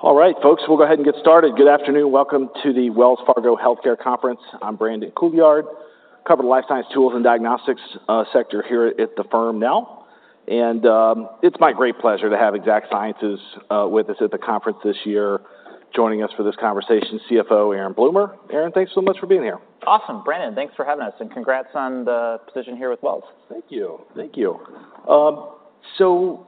All right, folks, we'll go ahead and get started. Good afternoon. Welcome to the Wells Fargo Healthcare Conference. I'm Brandon Couillard, cover the life science tools and diagnostics sector here at the firm now, and it's my great pleasure to have Exact Sciences with us at the conference this year. Joining us for this conversation, CFO, Aaron Bloomer. Aaron, thanks so much for being here. Awesome, Brandon, thanks for having us, and congrats on the position here with Wells. Thank you. So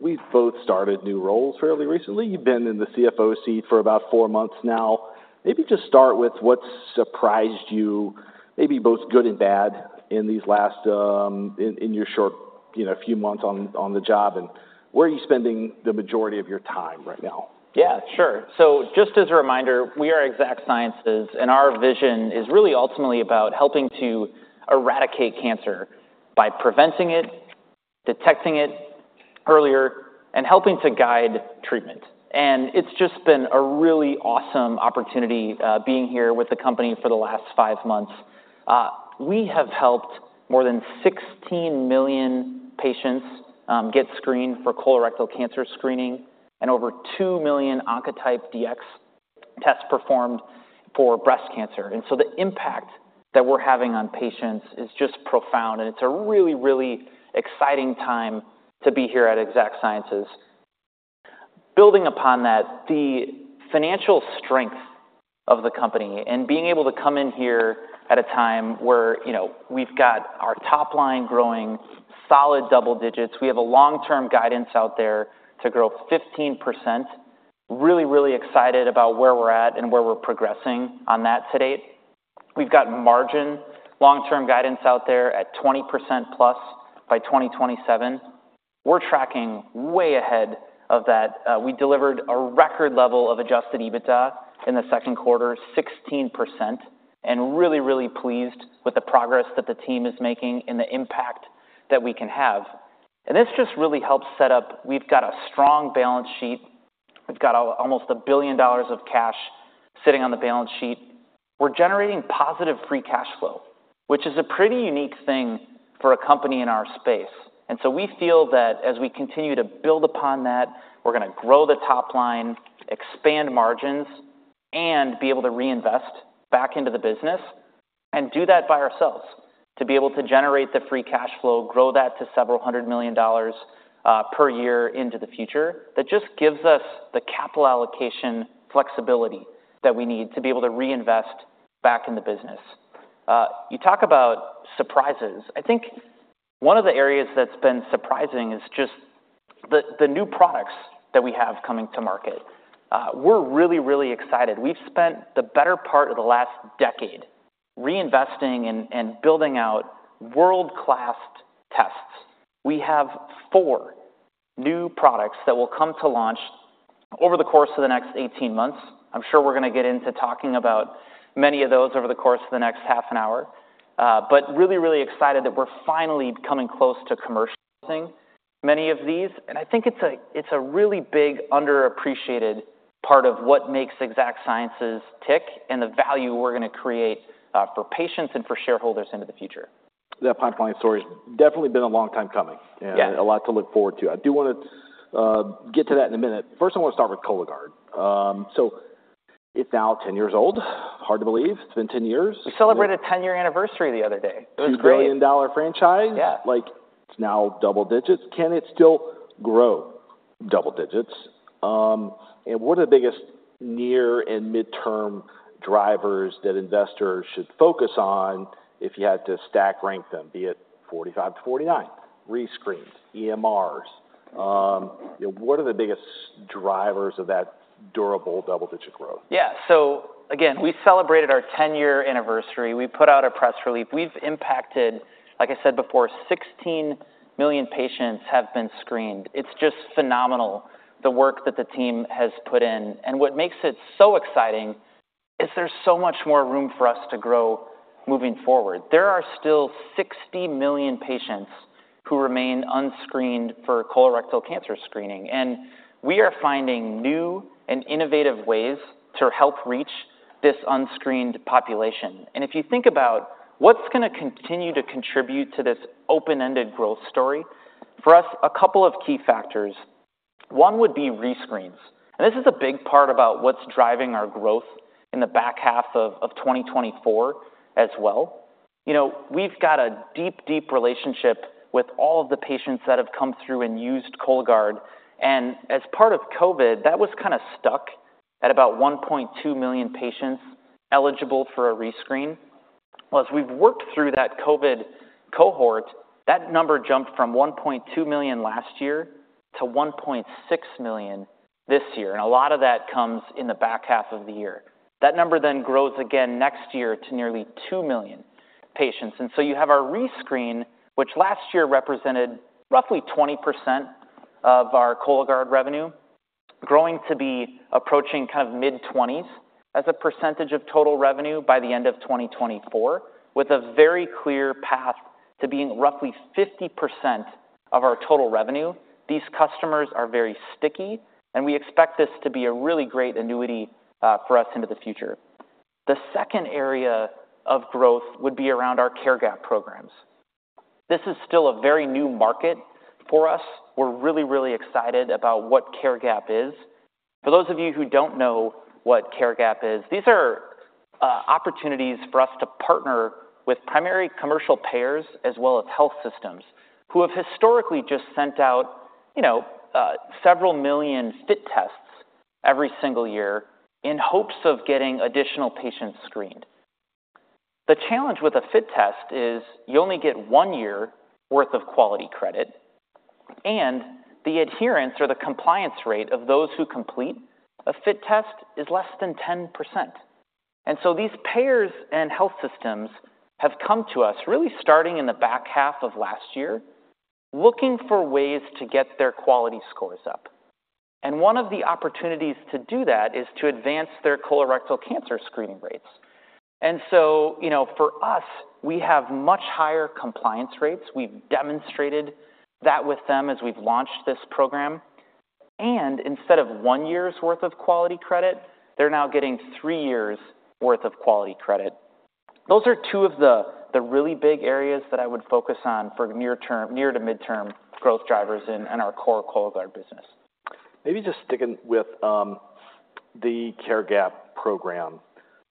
we both started new roles fairly recently. You've been in the CFO seat for about four months now. Maybe just start with what surprised you, maybe both good and bad, in these last, in your short, you know, few months on the job, and where are you spending the majority of your time right now? Yeah, sure. So just as a reminder, we are Exact Sciences, and our vision is really ultimately about helping to eradicate cancer by preventing it, detecting it earlier, and helping to guide treatment. And it's just been a really awesome opportunity, being here with the company for the last five months. We have helped more than 16 million patients get screened for colorectal cancer screening, and over 2 million Oncotype DX tests performed for breast cancer. And so the impact that we're having on patients is just profound, and it's a really, really exciting time to be here at Exact Sciences. Building upon that, the financial strength of the company and being able to come in here at a time where, you know, we've got our top line growing solid double digits. We have a long-term guidance out there to grow 15%. Really, really excited about where we're at and where we're progressing on that to date. We've got margin long-term guidance out there at 20%+ by 2027. We're tracking way ahead of that. We delivered a record level of Adjusted EBITDA in the second quarter, 16%, and really, really pleased with the progress that the team is making and the impact that we can have. And this just really helps set up. We've got a strong balance sheet. We've got almost $1 billion of cash sitting on the balance sheet. We're generating positive free cash flow, which is a pretty unique thing for a company in our space. And so we feel that as we continue to build upon that, we're going to grow the top line, expand margins, and be able to reinvest back into the business and do that by ourselves. To be able to generate the free cash flow, grow that to several hundred million dollars per year into the future, that just gives us the capital allocation flexibility that we need to be able to reinvest back in the business. You talk about surprises. I think one of the areas that's been surprising is just the new products that we have coming to market. We're really, really excited. We've spent the better part of the last decade reinvesting and building out world-class tests. We have four new products that will come to launch over the course of the next eighteen months. I'm sure we're going to get into talking about many of those over the course of the next half an hour, but really, really excited that we're finally coming close to commercializing many of these. I think it's a really big, underappreciated part of what makes Exact Sciences tick and the value we're going to create for patients and for shareholders into the future. That pipeline story's definitely been a long time coming and a lot to look forward to. I do want to get to that in a minute. First, I want to start with Cologuard. So it's now 10 years old. Hard to believe it's been ten years. We celebrated a 10- year anniversary the other day. It was great. A billion-dollar franchise. Yeah. Like, it's now double digits. Can it still grow double digits? And what are the biggest near and midterm drivers that investors should focus on if you had to stack rank them, be it 45-49, rescreens, EMRs? You know, what are the biggest drivers of that durable double-digit growth? Yeah. So again, we celebrated our ten-year anniversary. We put out a press release. We've impacted... Like I said before, 16 million patients have been screened. It's just phenomenal, the work that the team has put in. And what makes it so exciting is there's so much more room for us to grow moving forward. There are still 60 million patients who remain unscreened for colorectal cancer screening, and we are finding new and innovative ways to help reach this unscreened population. And if you think about what's going to continue to contribute to this open-ended growth story, for us, a couple of key factors. One would be rescreens, and this is a big part about what's driving our growth in the back half of 2024 as well. You know, we've got a deep, deep relationship with all of the patients that have come through and used Cologuard, and as part of COVID, that was kind of stuck at about 1.2 million patients eligible for a rescreen. Well, as we've worked through that COVID cohort, that number jumped from 1.2 million last year to 1.6 million this year, and a lot of that comes in the back half of the year. That number then grows again next year to nearly 2 million patients. And so you have our rescreen, which last year represented roughly 20% of our Cologuard revenue, growing to be approaching kind of mid-20s% of total revenue by the end of 2024, with a very clear path to being roughly 50% of our total revenue. These customers are very sticky, and we expect this to be a really great annuity for us into the future. The second area of growth would be around our care gap programs. This is still a very new market for us. We're really, really excited about what care gap is. For those of you who don't know what care gap is, these are opportunities for us to partner with primary commercial payers as well as health systems, who have historically just sent out, you know, several million FIT tests every single year in hopes of getting additional patients screened. The challenge with a FIT test is you only get one year worth of quality credit, and the adherence or the compliance rate of those who complete a FIT test is less than 10%. And so these payers and health systems have come to us, really starting in the back half of last year, looking for ways to get their quality scores up. And one of the opportunities to do that is to advance their colorectal cancer screening rates. And so, you know, for us, we have much higher compliance rates. We've demonstrated that with them as we've launched this program. And instead of one year's worth of quality credit, they're now getting three years' worth of quality credit. Those are two of the really big areas that I would focus on for near- to midterm growth drivers in our core Cologuard business. Maybe just sticking with the care gap program.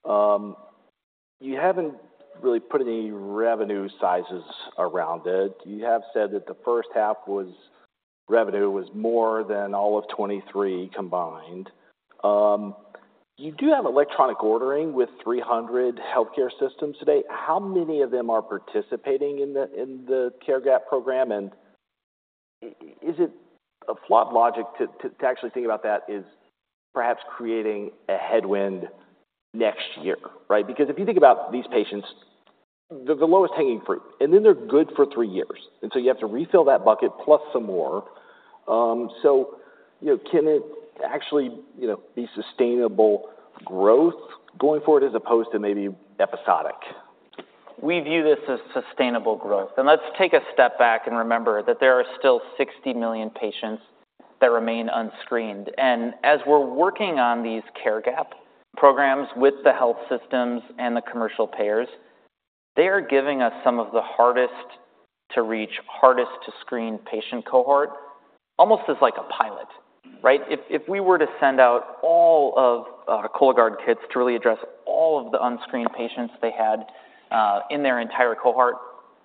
You haven't really put any revenue sizes around it. You have said that the first half revenue was more than all of 2023 combined. You do have electronic ordering with 300 healthcare systems today. How many of them are participating in the care gap program? And is it a flawed logic to actually think about that is perhaps creating a headwind next year, right? Because if you think about these patients, they're the lowest hanging fruit, and then they're good for three years, and so you have to refill that bucket plus some more. So, you know, can it actually, you know, be sustainable growth going forward as opposed to maybe episodic? We view this as sustainable growth, and let's take a step back and remember that there are still 60 million patients that remain unscreened, and as we're working on these care gap programs with the health systems and the commercial payers, they are giving us some of the hardest to reach, hardest to screen patient cohort, almost as like a pilot, right? If we were to send out all of Cologuard kits to really address all of the unscreened patients they had in their entire cohort,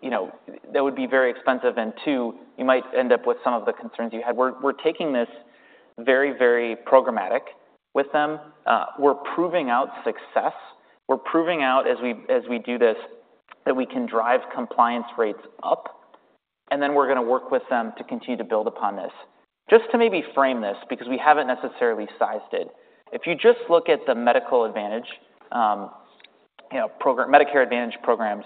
you know, that would be very expensive, and two, you might end up with some of the concerns you had. We're taking this very, very programmatic with them. We're proving out success. We're proving out as we, as we do this, that we can drive compliance rates up, and then we're gonna work with them to continue to build upon this. Just to maybe frame this, because we haven't necessarily sized it, if you just look at the Medicare Advantage, you know, program - Medicare Advantage programs,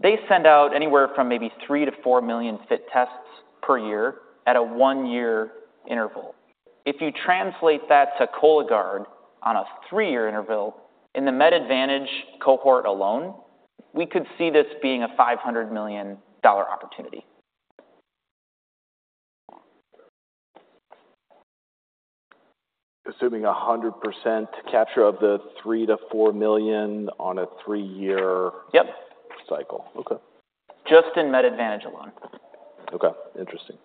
they send out anywhere from maybe 3 million-4 million FIT tests per year at a one-year interval. If you translate that to Cologuard on a three-year interval, in the Medicare Advantage cohort alone, we could see this being a $500 million opportunity. Assuming 100% capture of the 3 million-4 million on a three-year- Yep. Cycle. Okay. Just in Medicare Advantage alone. Okay, interesting.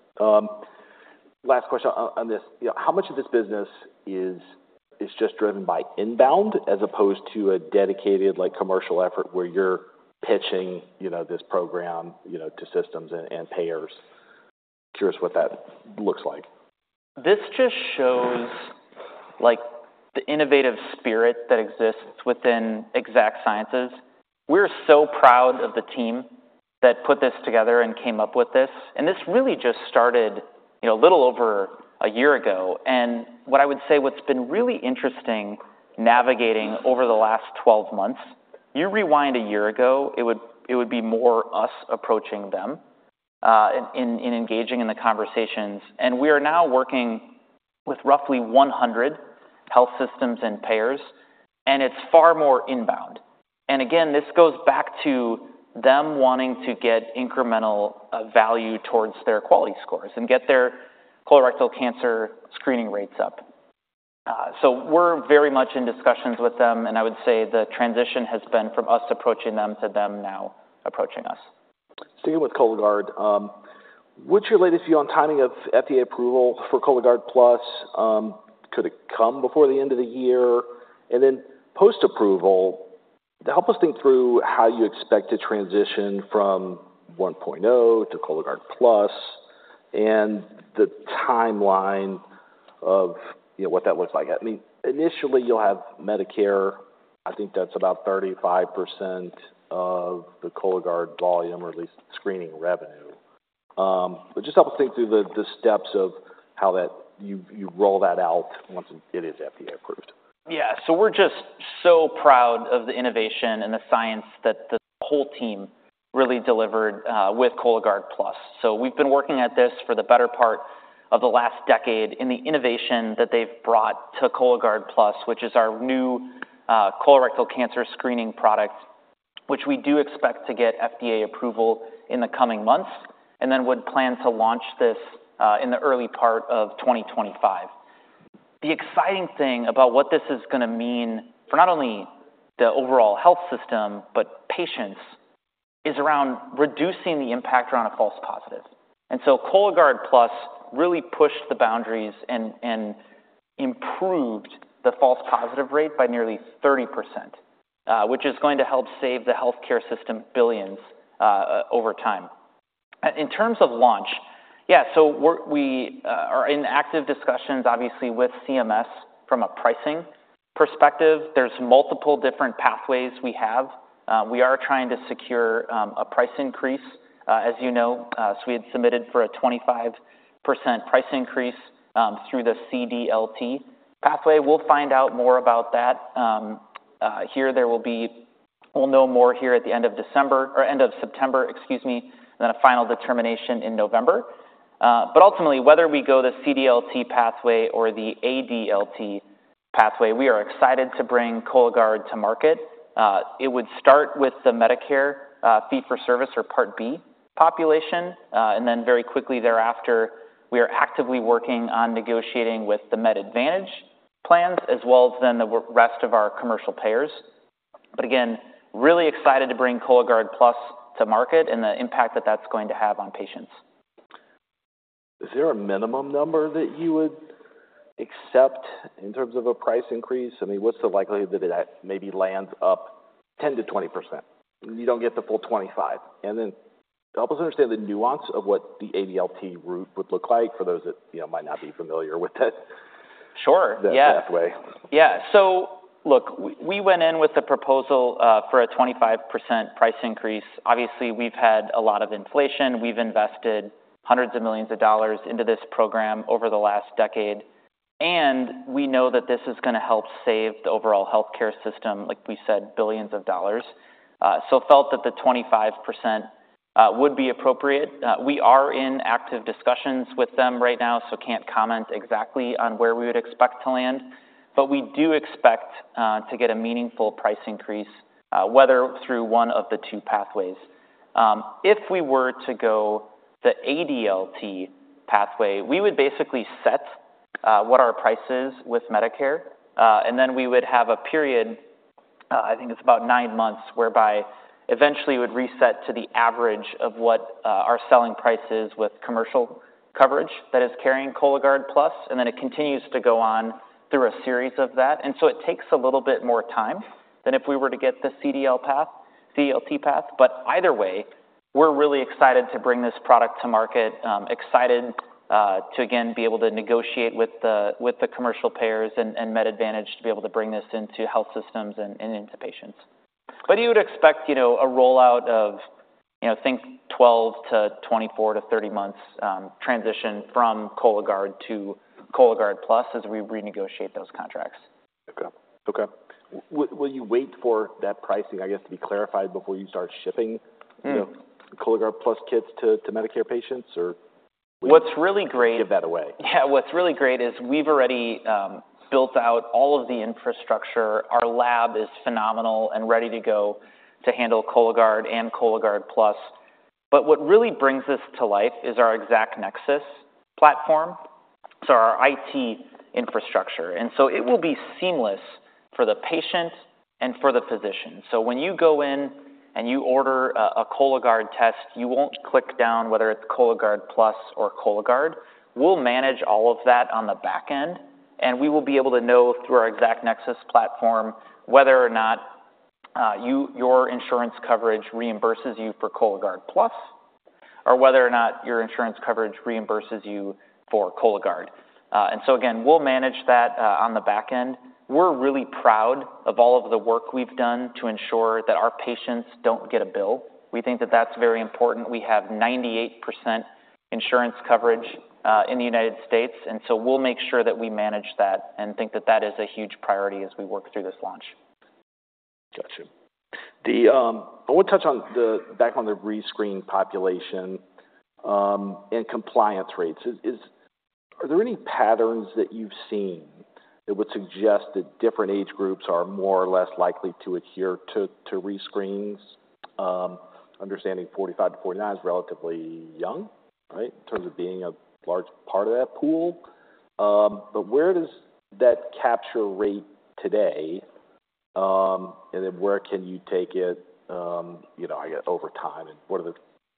Last question on this. You know, how much of this business is just driven by inbound as opposed to a dedicated, like, commercial effort, where you're pitching, you know, this program, you know, to systems and payers? Curious what that looks like. This just shows, like, the innovative spirit that exists within Exact Sciences. We're so proud of the team that put this together and came up with this, and this really just started, you know, a little over a year ago, and what I would say, what's been really interesting navigating over the last 12 months. You rewind a year ago, it would be more us approaching them in engaging in the conversations, and we are now working with roughly 100 health systems and payers, and it's far more inbound, and again, this goes back to them wanting to get incremental value towards their quality scores and get their colorectal cancer screening rates up, so we're very much in discussions with them, and I would say the transition has been from us approaching them to them now approaching us. Sticking with Cologuard, what's your latest view on timing of FDA approval for Cologuard Plus? Could it come before the end of the year? And then post-approval, help us think through how you expect to transition from 1.0 to Cologuard Plus, and the timeline of, you know, what that looks like. I mean, initially you'll have Medicare. I think that's about 35% of the Cologuard volume or at least screening revenue. But just help us think through the steps of how that you roll that out once it is FDA approved. Yeah. So we're just so proud of the innovation and the science that the whole team really delivered with Cologuard Plus. So we've been working at this for the better part of the last decade, and the innovation that they've brought to Cologuard Plus, which is our new colorectal cancer screening product, which we do expect to get FDA approval in the coming months, and then would plan to launch this in the early part of 2025. The exciting thing about what this is going to mean for not only the overall health system, but patients, is around reducing the impact around a false positive. And so Cologuard Plus really pushed the boundaries and improved the false positive rate by nearly 30%, which is going to help save the healthcare system billions over time. In terms of launch, yeah, so we are in active discussions, obviously, with CMS from a pricing perspective. There's multiple different pathways we have. We are trying to secure a price increase. As you know, so we had submitted for a 25% price increase through the CDLT pathway. We'll find out more about that. We'll know more here at the end of September, excuse me, and then a final determination in November. But ultimately, whether we go the CDLT pathway or the ADLT pathway, we are excited to bring Cologuard to market. It would start with the Medicare fee-for-service or Part B population, and then very quickly thereafter, we are actively working on negotiating with the Medicare Advantage plans, as well as then the rest of our commercial payers. But again, really excited to bring Cologuard Plus to market and the impact that that's going to have on patients. Is there a minimum number that you would accept in terms of a price increase? I mean, what's the likelihood that it maybe lands up 10%-20%, and you don't get the full 25%? And then help us understand the nuance of what the ADLT route would look like for those that, you know, might not be familiar with that? Sure. Yeah. That pathway. Yeah. So look, we went in with a proposal for a 25% price increase. Obviously, we've had a lot of inflation. We've invested hundreds of millions of dollars into this program over the last decade, and we know that this is going to help save the overall healthcare system, like we said, billions of dollars. So felt that the 25% would be appropriate. We are in active discussions with them right now, so can't comment exactly on where we would expect to land, but we do expect to get a meaningful price increase, whether through one of the two pathways. If we were to go the ADLT pathway, we would basically set what our price is with Medicare, and then we would have a period, I think it's about nine months, whereby eventually we'd reset to the average of what our selling price is with commercial coverage that is carrying Cologuard Plus, and then it continues to go on through a series of that, and so it takes a little bit more time than if we were to get the CDLT path, but either way, we're really excited to bring this product to market. Excited to again be able to negotiate with the commercial payers and Med Advantage to be able to bring this into health systems and into patients. But you would expect, you know, a rollout of, you know, think 12 to 24 to 30 months, transition from Cologuard to Cologuard Plus as we renegotiate those contracts. Okay. Will you wait for that pricing, I guess, to be clarified before you start shipping you know, Cologuard Plus kits to Medicare patients or? What's really great- Give that away. Yeah, what's really great is we've already built out all of the infrastructure. Our lab is phenomenal and ready to go to handle Cologuard and Cologuard Plus. But what really brings this to life is our ExactNexus platform, so our IT infrastructure, and so it will be seamless for the patient and for the physician. So when you go in and you order a Cologuard test, you won't click down whether it's Cologuard Plus or Cologuard. We'll manage all of that on the back end, and we will be able to know through our ExactNexus platform, whether or not your insurance coverage reimburses you for Cologuard Plus, or whether or not your insurance coverage reimburses you for Cologuard. And so again, we'll manage that on the back end. We're really proud of all of the work we've done to ensure that our patients don't get a bill. We think that that's very important. We have 98% insurance coverage in the United States, and so we'll make sure that we manage that and think that that is a huge priority as we work through this launch. Got you. I want to touch back on the rescreen population and compliance rates. Are there any patterns that you've seen that would suggest that different age groups are more or less likely to adhere to rescreens? Understanding 45 to 49 is relatively young, right, in terms of being a large part of that pool. But where does that capture rate today, and then where can you take it, you know, I guess, over time, and what are the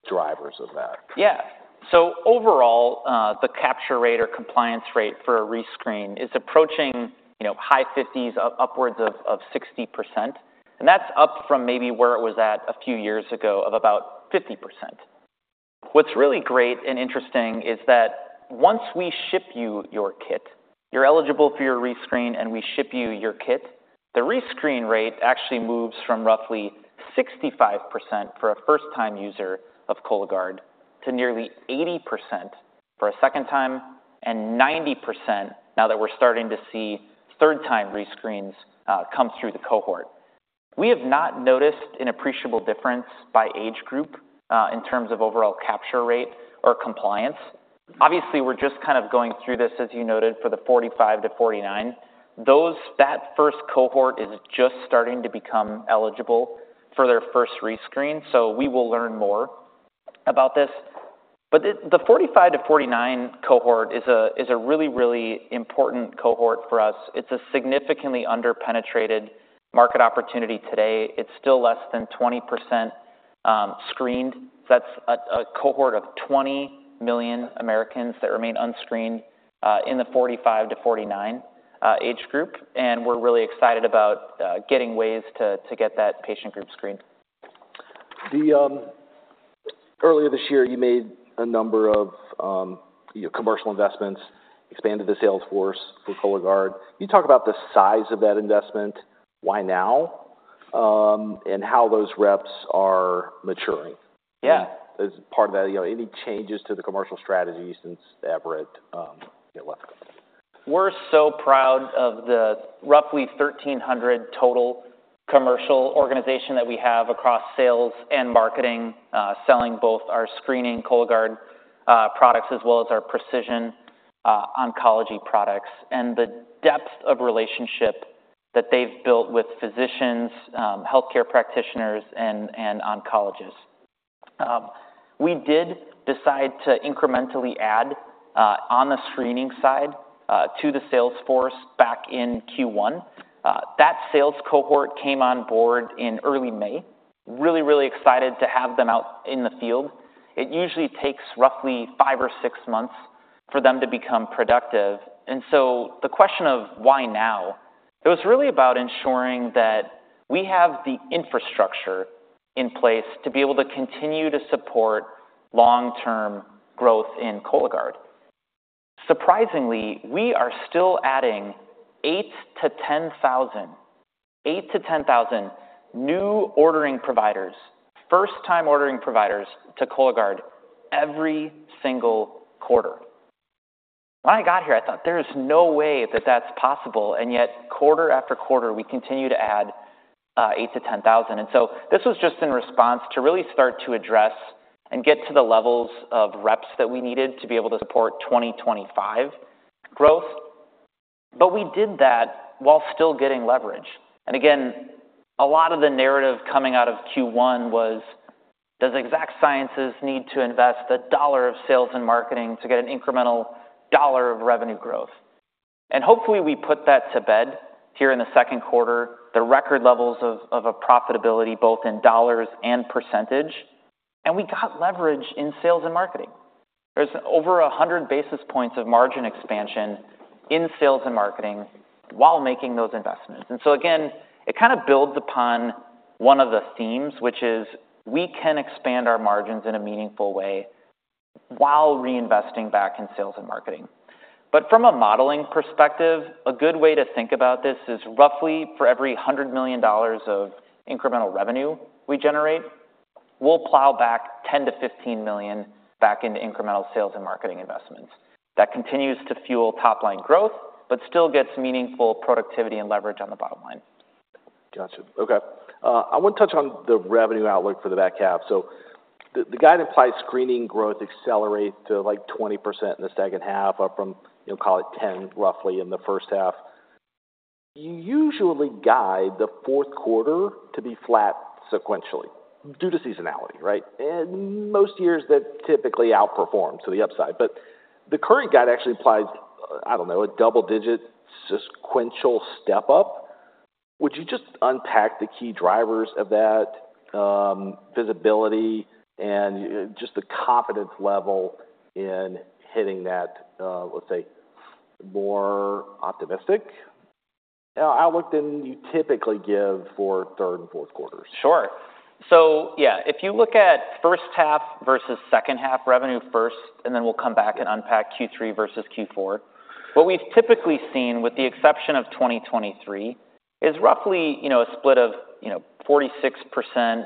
drivers of that? Yeah, so overall, the capture rate or compliance rate for a rescreen is approaching, you know, high 50s, upwards of 60%, and that's up from maybe where it was at a few years ago, of about 50%. What's really great and interesting is that once we ship you your kit, you're eligible for your rescreen, and we ship you your kit. The rescreen rate actually moves from roughly 65% for a first-time user of Cologuard to nearly 80% for a second time and 90% now that we're starting to see third-time rescreens come through the cohort. We have not noticed an appreciable difference by age group in terms of overall capture rate or compliance. Obviously, we're just kind of going through this, as you noted, for the 45-49. That first cohort is just starting to become eligible for their first rescreen, so we will learn more about this, but the 45-49 cohort is a really, really important cohort for us. It's a significantly under-penetrated market opportunity today. It's still less than 20% screened. That's a cohort of 20 million Americans that remain unscreened in the 45-49 age group, and we're really excited about getting ways to get that patient group screened. Earlier this year, you made a number of, you know, commercial investments, expanded the sales force for Cologuard. Can you talk about the size of that investment, why now, and how those reps are maturing? Yeah. As part of that, you know, any changes to the commercial strategy since Everett, you left? We're so proud of the roughly 1,300 total commercial organization that we have across sales and marketing, selling both our screening Cologuard products as well as our precision oncology products, and the depth of relationship that they've built with physicians, healthcare practitioners, and oncologists. We did decide to incrementally add on the screening side to the sales force back in Q1. That sales cohort came on board in early May. Really, really excited to have them out in the field. It usually takes roughly 5 or 6 months for them to become productive, and so the question of why now, it was really about ensuring that we have the infrastructure in place to be able to continue to support long-term growth in Cologuard. Surprisingly, we are still adding 8,000-10,000 new ordering providers, first-time ordering providers, to Cologuard every single quarter. When I got here, I thought, "There is no way that that's possible," and yet quarter after quarter, we continue to add 8,000-10,000 thousand. And so this was just in response to really start to address and get to the levels of reps that we needed to be able to support 2025 growth. But we did that while still getting leverage. And again, a lot of the narrative coming out of Q1 was, does Exact Sciences need to invest a dollar of sales and marketing to get an incremental dollar of revenue growth? Hopefully, we put that to bed here in the second quarter, the record levels of a profitability, both in dollars and percentage, and we got leverage in sales and marketing. There's over 100 basis points of margin expansion in sales and marketing while making those investments. So again, it kind of builds upon one of the themes, which is we can expand our margins in a meaningful way while reinvesting back in sales and marketing. But from a modeling perspective, a good way to think about this is roughly for every $100 million of incremental revenue we generate, we'll plow back $10 million-$15 million back into incremental sales and marketing investments. That continues to fuel top-line growth, but still gets meaningful productivity and leverage on the bottom line. Gotcha. Okay, I want to touch on the revenue outlook for the back half. So the guide implies screening growth accelerate to, like, 20% in the second half, up from, you know, call it 10%, roughly, in the first half. You usually guide the fourth quarter to be flat sequentially due to seasonality, right? And most years, that typically outperforms to the upside. But the current guide actually applies, I don't know, a double-digit sequential step-up. Would you just unpack the key drivers of that, visibility and just the confidence level in hitting that, let's say, more optimistic outlook than you typically give for third and fourth quarters? Sure. So yeah, if you look at first half versus second half revenue first, and then we'll come back and unpack Q3 versus Q4. What we've typically seen, with the exception of 2023, is roughly, you know, a split of, you know, 46%-45%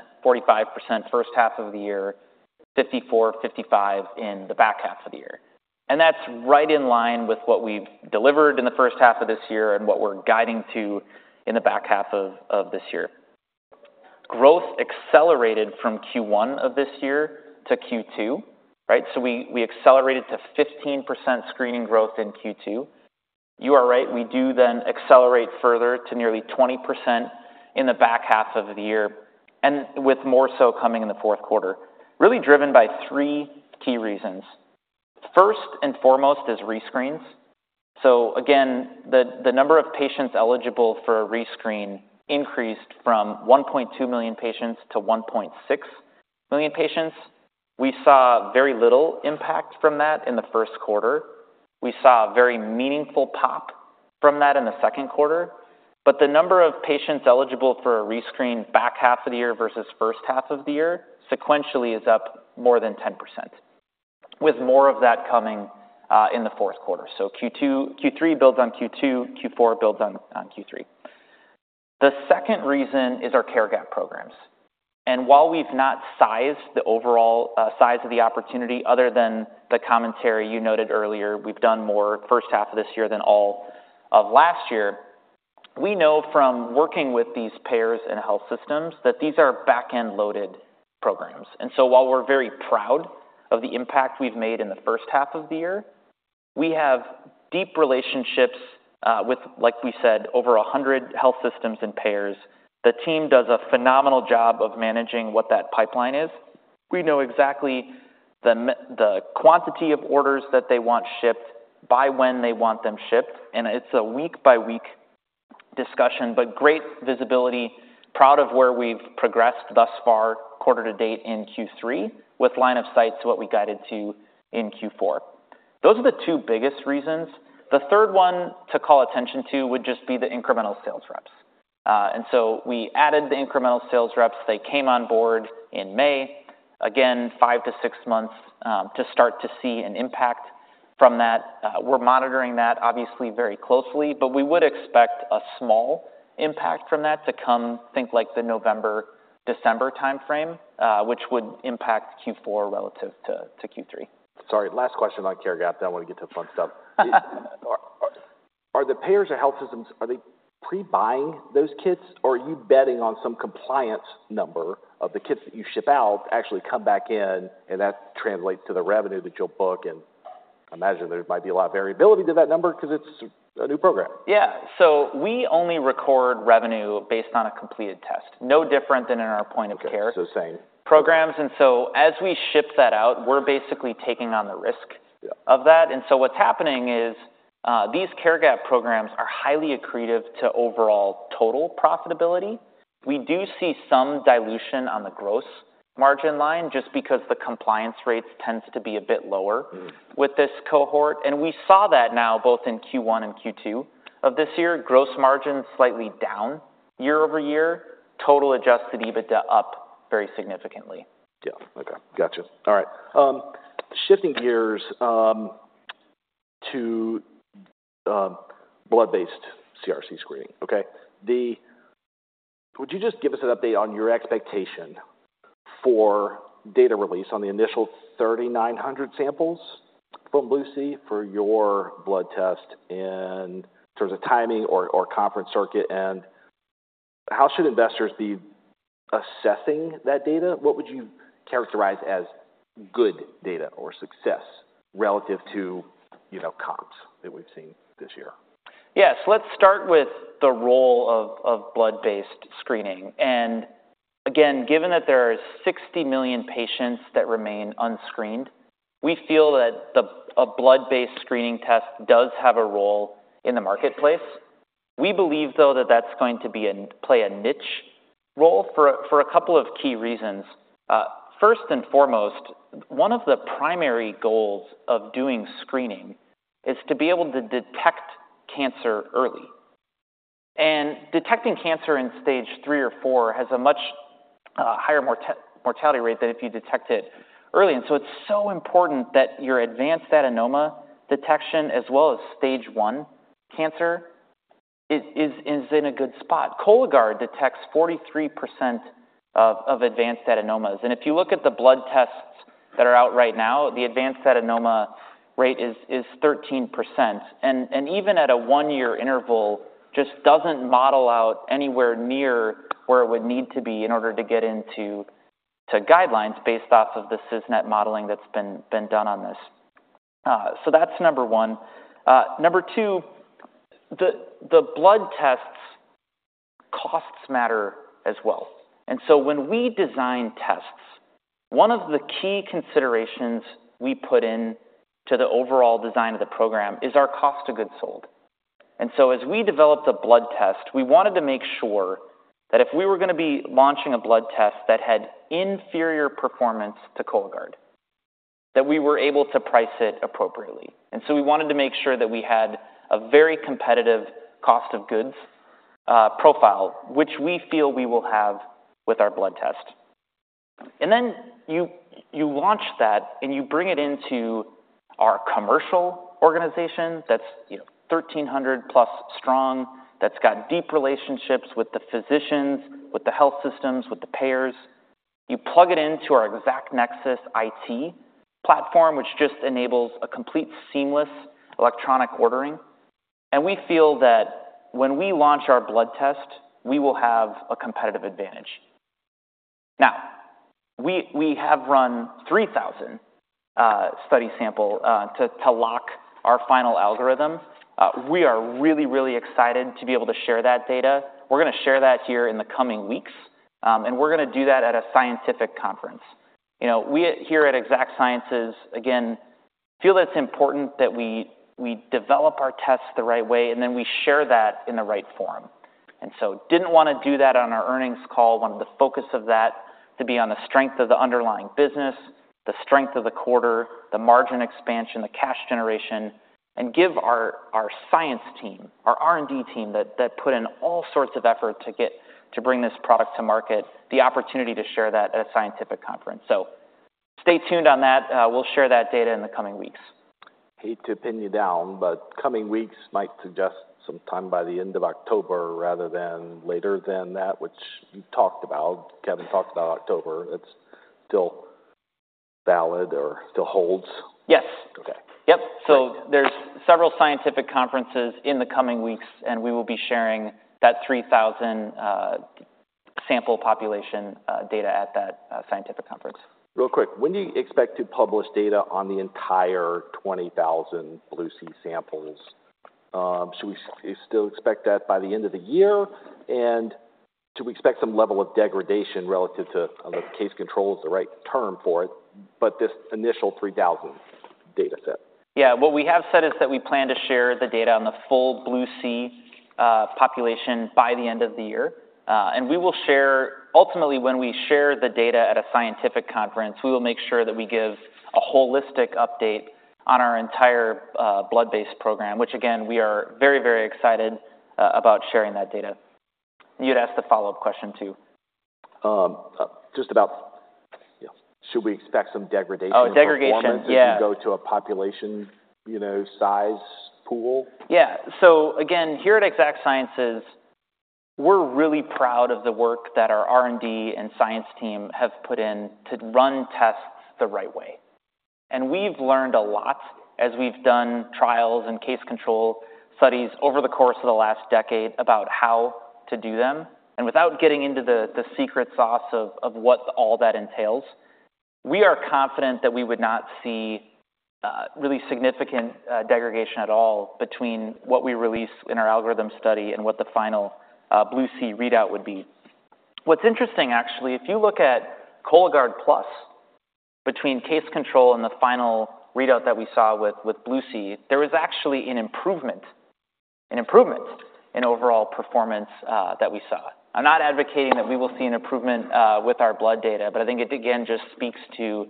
first half of the year, 54%-55% in the back half of the year. And that's right in line with what we've delivered in the first half of this year and what we're guiding to in the back half of this year. Growth accelerated from Q1 of this year to Q2, right? So we accelerated to 15% screening growth in Q2. You are right, we do then accelerate further to nearly 20% in the back half of the year, and with more so coming in the fourth quarter, really driven by three key reasons. First and foremost is rescreens. So again, the number of patients eligible for a rescreen increased from 1.2 million patients to 1.6 million patients. We saw very little impact from that in the first quarter. We saw a very meaningful pop from that in the second quarter, but the number of patients eligible for a rescreen back half of the year versus first half of the year, sequentially, is up more than 10%, with more of that coming in the fourth quarter. So Q2, Q3 builds on Q2, Q4 builds on Q3. The second reason is our care gap programs, and while we've not sized the overall size of the opportunity, other than the commentary you noted earlier, we've done more first half of this year than all of last year. We know from working with these payers and health systems that these are back-end-loaded programs. So while we're very proud of the impact we've made in the first half of the year. We have deep relationships, with, like we said, over 100 health systems and payers. The team does a phenomenal job of managing what that pipeline is. We know exactly the quantity of orders that they want shipped, by when they want them shipped, and it's a week-by-week discussion, but great visibility. Proud of where we've progressed thus far, quarter to date in Q3, with line of sight to what we guided to in Q4. Those are the two biggest reasons. The third one to call attention to would just be the incremental sales reps. And so we added the incremental sales reps. They came on board in May. Again, five to six months to start to see an impact from that. We're monitoring that obviously very closely, but we would expect a small impact from that to come, think like the November, December timeframe, which would impact Q4 relative to Q3. Sorry, last question on care Gap, then I want to get to the fun stuff. Are the payers or health systems, are they pre-buying those kits, or are you betting on some compliance number of the kits that you ship out to actually come back in, and that translates to the revenue that you'll book? And I imagine there might be a lot of variability to that number 'cause it's a new program. Yeah. So we only record revenue based on a completed test, no different than in our point of care. Okay, so same. Programs. And so as we ship that out, we're basically taking on the risk of that. And so what's happening is, these care gap programs are highly accretive to overall total profitability. We do see some dilution on the gross margin line, just because the compliance rates tends to be a bit lower. With this cohort, and we saw that now both in Q1 and Q2 of this year, gross margin slightly down year-over-year, total Adjusted EBITDA up very significantly. Yeah. Okay, gotcha. All right, shifting gears to blood-based CRC screening. Okay, would you just give us an update on your expectation for data release on the initial 3,900 samples from BLUE-C for your blood test in terms of timing or conference circuit? And how should investors be assessing that data? What would you characterize as good data or success relative to, you know, comps that we've seen this year? Yes, let's start with the role of blood-based screening. And again, given that there are 60 million patients that remain unscreened, we feel that a blood-based screening test does have a role in the marketplace. We believe, though, that that's going to play a niche role for a couple of key reasons. First and foremost, one of the primary goals of doing screening is to be able to detect cancer early. And detecting cancer in stage III or IV has a much higher mortality rate than if you detect it early. And so it's so important that your advanced adenoma detection, as well as stage I cancer, is in a good spot. Cologuard detects 43% of advanced adenomas. And if you look at the blood tests that are out right now, the advanced adenoma rate is 13%, and even at a one-year interval, just doesn't model out anywhere near where it would need to be in order to get into the guidelines based off of the CISNET modeling that's been done on this. So that's number one. Number two, the blood tests, costs matter as well. And so when we design tests, one of the key considerations we put into the overall design of the program is our cost of goods sold. And so as we developed a blood test, we wanted to make sure that if we were gonna be launching a blood test that had inferior performance to Cologuard, that we were able to price it appropriately. And so we wanted to make sure that we had a very competitive cost of goods profile, which we feel we will have with our blood test. And then you launch that, and you bring it into our commercial organization that's, you know, 1,300+ strong, that's got deep relationships with the physicians, with the health systems, with the payers. You plug it into our ExactNexus IT platform, which just enables a complete seamless electronic ordering. And we feel that when we launch our blood test, we will have a competitive advantage. Now, we have run 3,000 study sample to lock our final algorithm. We are really, really excited to be able to share that data. We're gonna share that here in the coming weeks, and we're gonna do that at a scientific conference. You know, we here at Exact Sciences, again, feel it's important that we develop our tests the right way, and then we share that in the right forum. We didn't want to do that on our earnings call. We wanted the focus of that to be on the strength of the underlying business, the strength of the quarter, the margin expansion, the cash generation, and to give our science team, our R&D team that put in all sorts of effort to bring this product to market, the opportunity to share that at a scientific conference. Stay tuned on that. We'll share that data in the coming weeks. I hate to pin you down, but coming weeks might suggest some time by the end of October rather than later than that, which you talked about. Kevin talked about October. It's still valid or still holds? Yes. So there's several scientific conferences in the coming weeks, and we will be sharing that three thousand sample population data at that scientific conference. Real quick, when do you expect to publish data on the entire 20,000 BLUE-C samples? Should we still expect that by the end of the year, and should we expect some level of degradation relative to, I don't know if case control is the right term for it, but this initial 3,000 data set? Yeah, what we have said is that we plan to share the data on the full BLUE-C population by the end of the year. And we will share... Ultimately, when we share the data at a scientific conference, we will make sure that we give a holistic update on our entire blood-based program, which, again, we are very, very excited about sharing that data. You'd asked a follow-up question, too. Just about, you know, should we expect some degradation in performance- Oh, degradation, yeah. If you go to a population, you know, size pool? Yeah. So again, here at Exact Sciences, we're really proud of the work that our R&D and science team have put in to run tests the right way. And we've learned a lot as we've done trials and case control studies over the course of the last decade about how to do them. And without getting into the secret sauce of what all that entails, we are confident that we would not see really significant degradation at all between what we release in our algorithm study and what the final BLUE-C readout would be. What's interesting, actually, if you look at Cologuard Plus, between case control and the final readout that we saw with BLUE-C, there was actually an improvement, an improvement in overall performance that we saw. I'm not advocating that we will see an improvement with our blood data, but I think it, again, just speaks to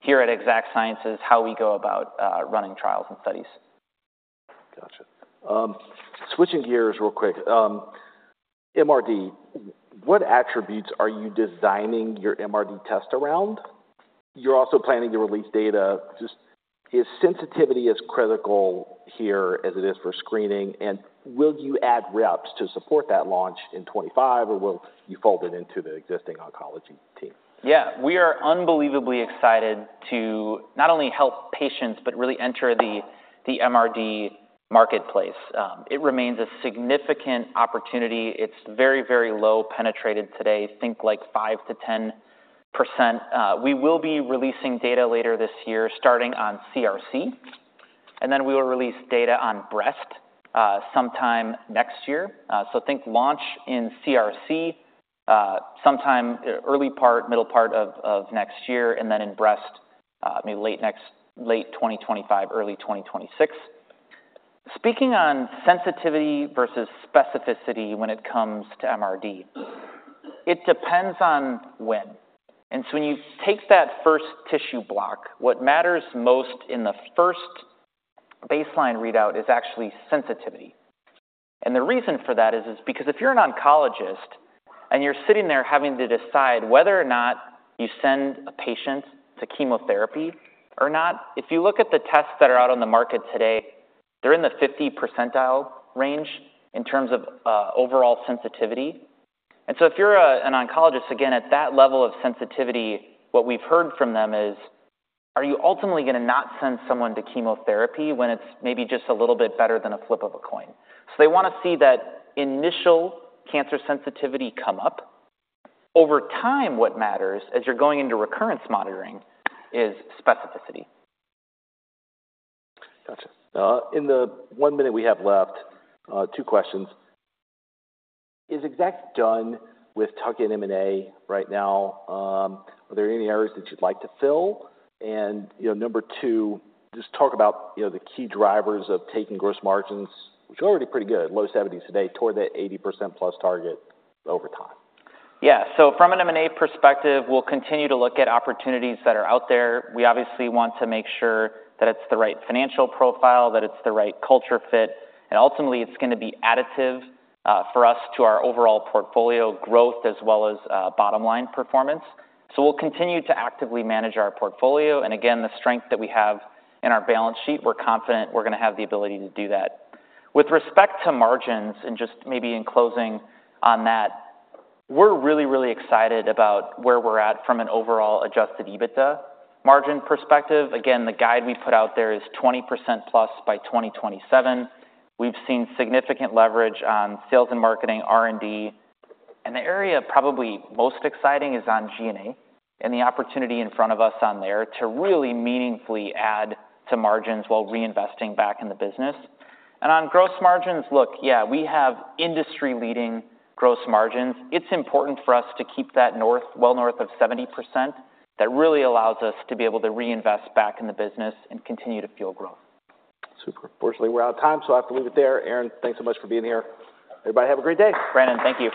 here at Exact Sciences, how we go about running trials and studies. Gotcha. Switching gears real quick. MRD, what attributes are you designing your MRD test around? You're also planning to release data. Just, is sensitivity as critical here as it is for screening, and will you add reps to support that launch in 2025, or will you fold it into the existing oncology team? Yeah. We are unbelievably excited to not only help patients, but really enter the MRD marketplace. It remains a significant opportunity. It's very, very low penetrated today, I think, like 5%-10%. We will be releasing data later this year, starting on CRC, and then we will release data on breast sometime next year. So think launch in CRC sometime early part, middle part of next year, and then in breast maybe late 2025, early 2026. Speaking on sensitivity versus specificity when it comes to MRD, it depends on when. And so when you take that first tissue block, what matters most in the first baseline readout is actually sensitivity. The reason for that is because if you're an oncologist and you're sitting there having to decide whether or not you send a patient to chemotherapy or not, if you look at the tests that are out on the market today, they're in the 50 percentile range in terms of overall sensitivity. And so if you're an oncologist, again, at that level of sensitivity, what we've heard from them is, are you ultimately gonna not send someone to chemotherapy when it's maybe just a little bit better than a flip of a coin? So they wanna see that initial cancer sensitivity come up. Over time, what matters, as you're going into recurrence monitoring, is specificity. Gotcha. In the one minute we have left, two questions. Is Exact done with tuck-in M&A right now? Are there any areas that you'd like to fill? And, you know, number two, just talk about, you know, the key drivers of taking gross margins, which are already pretty good, low 70s% today, toward that 80%+ target over time. Yeah. So from an M&A perspective, we'll continue to look at opportunities that are out there. We obviously want to make sure that it's the right financial profile, that it's the right culture fit, and ultimately, it's gonna be additive, for us to our overall portfolio growth as well as, bottom line performance. So we'll continue to actively manage our portfolio, and again, the strength that we have in our balance sheet, we're confident we're gonna have the ability to do that. With respect to margins, and just maybe in closing on that, we're really, really excited about where we're at from an overall Adjusted EBITDA margin perspective. Again, the guide we put out there is 20%+ by 2027. We've seen significant leverage on sales and marketing, R&D, and the area probably most exciting is on G&A and the opportunity in front of us on there to really meaningfully add to margins while reinvesting back in the business. And on gross margins, look, yeah, we have industry-leading gross margins. It's important for us to keep that north, well north of 70%. That really allows us to be able to reinvest back in the business and continue to fuel growth. Super. Unfortunately, we're out of time, so I have to leave it there. Aaron, thanks so much for being here. Everybody, have a great day. Brandon, thank you.